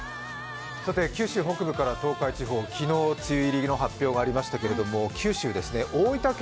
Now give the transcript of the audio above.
九州北部から東海地方、昨日梅雨入りの発表ありましたけれども九州ですね、大分県